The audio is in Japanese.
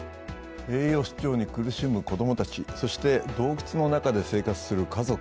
栄養失調に苦しむ子供たち、そして洞窟の中で生活する家族。